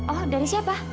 oh dari siapa